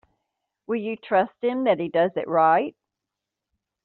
Will you trust him that he does it right?